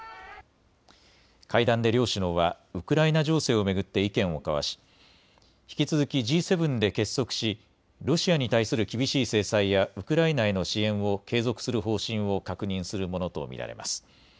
会談で両首脳はウクライナ情勢を巡って意見を交わし、引き続きＧ７で結束しロシアに対する厳しい制裁やウクライナへの支援を継続する方針を確認するものと見られます。